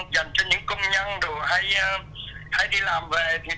dành cho những công nhân